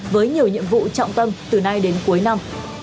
với nhiều nhiệm vụ trọng tâm từ nay đến cuối năm